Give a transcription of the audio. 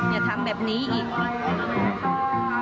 อย่าทำแบบนี้อีก